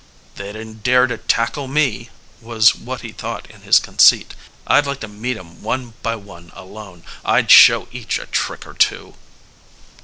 "They didn't dare to tackle me," was what he thought in his conceit. "I'd like to meet 'em one by one alone. I'd show each a trick or two."